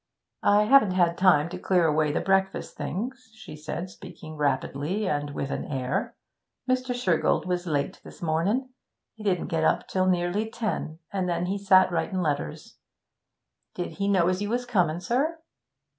'I haven't had time to clear away the breakfast things,' she said, speaking rapidly and with an air. 'Mr. Shergold was late this mornin'; he didn't get up till nearly ten, an' then he sat writin' letters. Did he know as you was comin', sir?'